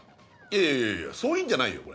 いやいやいやそういうんじゃないよこれ。